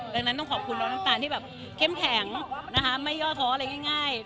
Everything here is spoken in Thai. ดังนั้นต้องขอบคุณน้องน้ำตาลที่แบบเข้มแข็งนะคะไม่ย่อท้ออะไรง่าย